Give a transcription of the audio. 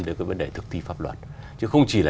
đến cái vấn đề thực thi pháp luật chứ không chỉ là